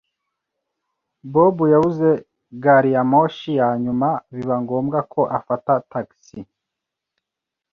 Bob yabuze gari ya moshi ya nyuma biba ngombwa ko afata tagisi.